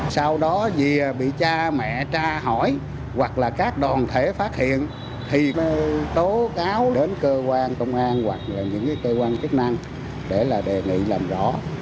sau đó vì bị cha mẹ tra hỏi hoặc là các đoàn thể phát hiện thì có tố cáo đến cơ quan công an hoặc là những cơ quan chức năng để là đề nghị làm rõ